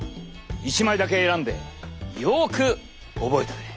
１枚だけ選んでよく覚えてくれ。